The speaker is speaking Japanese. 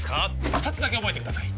二つだけ覚えてください